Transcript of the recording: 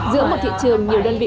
giữa một thị trường nhiều đơn vị